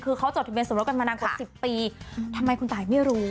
คือเขาจดทะเบียสมรสกันมานานกว่า๑๐ปีทำไมคุณตายไม่รู้